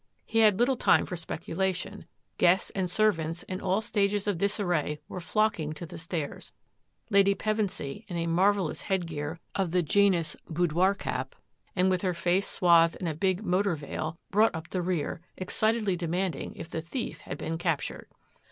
He had little time for speculation. Guests and servants, in all stages of disarray, were flocking to the stairs. Lady Pevensy, in a marvel lous headgear of the genus boudoii^cap and with her face swathed in a big motor veil, brought up the rear, excitedly demanding if the thief had been captured.